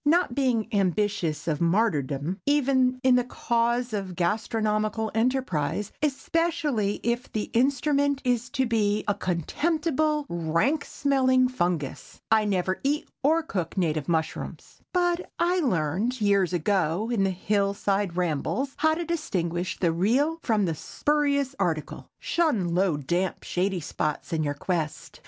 Not being ambitious of martyrdom, even in the cause of gastronomical enterprise, especially if the instrument is to be a contemptible, rank smelling fungus, I never eat or cook native mushrooms; but I learned, years ago, in hill side rambles, how to distinguish the real from the spurious article. Shun low, damp, shady spots in your quest.